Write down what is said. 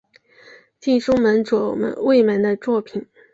近松门左卫门的作品。